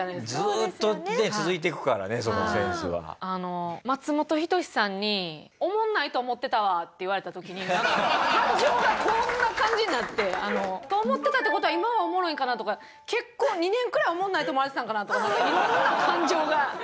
ずーっとね続いてくからねそのセンスは。って言われた時に感情がこんな感じになって。と思ってたって事は今はおもろいんかなとか結構２年くらいおもんないと思われてたんかなとか色んな感情が。